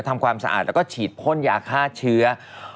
ทำความสะอาดแล้วก็ฉีดพ่นยาฆ่าเชื้อ